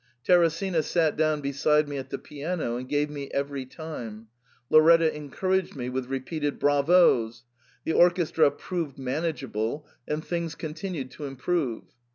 Teresina sat down be side me at the piano and gave me every time ; Lauretta encouraged me with repeated * Bravos !' the orchestra proved manageable, and things continued to improve.